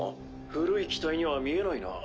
古い機体には見えないな。